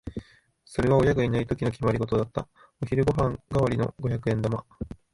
それは親がいないときの決まりごとだった。お昼ご飯代わりの五百円玉。